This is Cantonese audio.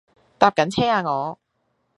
搭緊車呀我